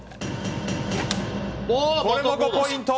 これも５ポイント！